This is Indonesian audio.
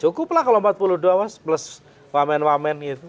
cukuplah kalau empat puluh dua plus wamen wamen gitu